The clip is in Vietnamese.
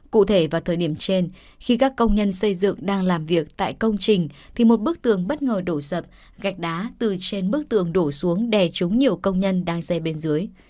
cụ thể vào thời điểm trên khi các công nhân xây dựng đang làm việc tại công trình thì một bức tường bất ngờ đổ sập gạch đá từ trên bức tường đổ xuống đè trúng nhiều công nhân đang xe bên dưới